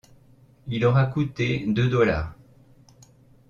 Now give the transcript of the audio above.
Il aura couté de dollars.